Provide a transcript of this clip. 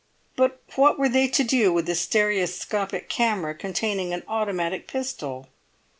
But what were they to do with a stereoscopic camera containing an automatic pistol?